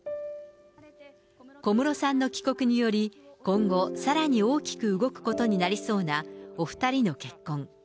小室さんの帰国により、今後、さらに大きく動くことになりそうな、お２人の結婚。